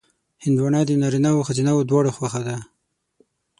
هندوانه د نارینهوو او ښځینهوو دواړو خوښه ده.